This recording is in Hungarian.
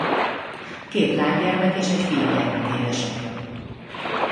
Két lánygyermek és egy fiúgyermek édesapja.